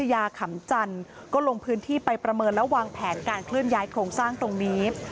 ยาขำจันทร์ก็ลงพื้นที่ไปประเมินและวางแผนการเคลื่อนย้ายโครงสร้างตรงนี้